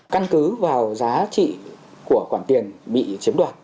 căn cứ vào giá trị của khoản tiền bị chiếm đoạt